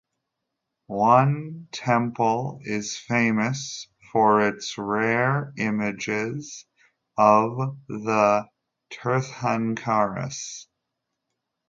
One temple is famous for its rare images of the tirthankaras.